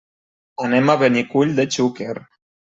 Anem a Benicull de Xúquer.